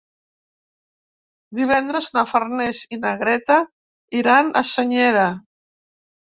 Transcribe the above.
Divendres na Farners i na Greta iran a Senyera.